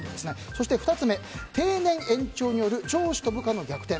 そして２つ目、定年延長による上司と部下の逆転。